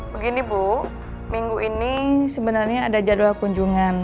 begini bu minggu ini sebenarnya ada jadwal kunjungan